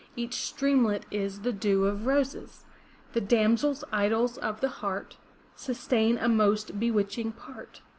Each streamlet is the dew of roses; The damsels, idols of the heart. Sustain a most bewitching part.